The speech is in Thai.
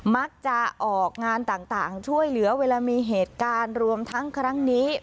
มักจะออกงานต่างช่วยเหลือเวลามีเหตุการณ์รวมทั้งครั้งนี้